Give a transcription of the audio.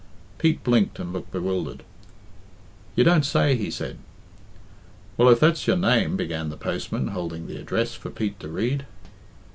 Pete blinked and looked bewildered. "You don't say!" he said. "Well, if that's your name," began the postman, holding the address for Pete to read.